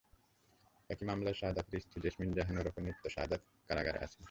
একই মামলায় শাহাদাতের স্ত্রী জেসমিন জাহান ওরফে নৃত্য শাহাদাত কারাগারে আছেন।